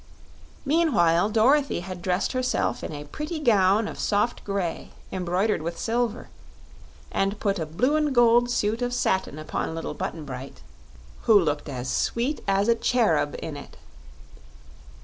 Meanwhile, Dorothy had dressed herself in a pretty gown of soft grey embroidered with silver, and put a blue and gold suit of satin upon little Button Bright, who looked as sweet as a cherub in it.